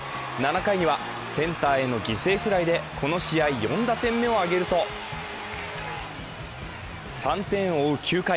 ７回にはセンターへの犠牲フライでこの試合、４打点目を挙げると３点を追う９回。